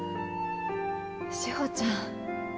志保ちゃん。